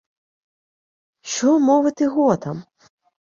— Що мовити готам?